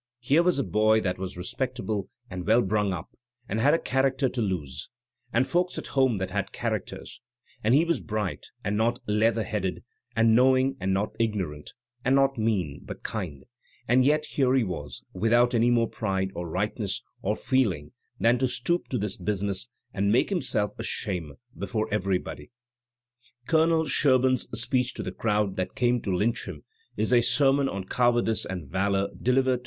Here was a boy that was respectable and well Digitized by Google 260 THE spmrr of American literature bning up; and had a character to lose; and folks at home that had characters; and he was bright and not leather headed; and knowing and not ignorant; and not mean, but kind; and yet here he was, without any more pride, or rightness, or feeling, than to stoop to this business, and make himself a shame, before everybody." Colonel Sherbum's speech to the crowd that came to ^ lynch him is a sermon on cowardice and valour delivered to